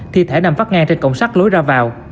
thi thể nằm phát ngang trên cổng sắt lối ra vào